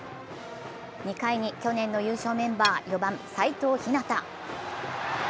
２回に去年の優勝メンバー４番・齋藤陽。